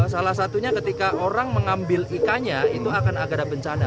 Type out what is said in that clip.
salah satunya ketika orang mengambil ikannya itu akan agar bencana